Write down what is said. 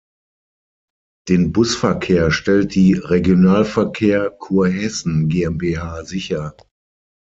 Den Busverkehr stellt die Regionalverkehr Kurhessen GmbH sicher.